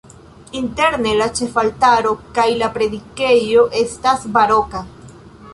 Interne la ĉefaltaro kaj la predikejo estas baroka.